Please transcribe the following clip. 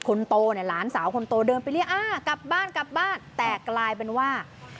คนโกอน่ะหลานสาวคนโกของหลานพูดอ้ะกลับบ้านแต่กลายเป็นว่า